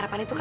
ya aku juga